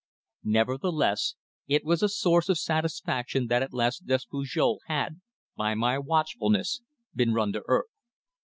Nevertheless, it was a source of satisfaction that at last Despujol had, by my watchfulness, been run to earth.